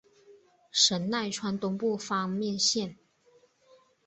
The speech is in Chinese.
神奈川东部方面线。